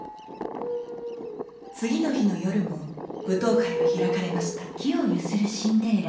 つぎのひのよるもぶとうかいはひらかれました。